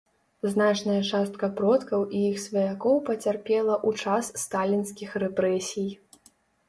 Значная частка продкаў і іх сваякоў пацярпела ў час сталінскіх рэпрэсій.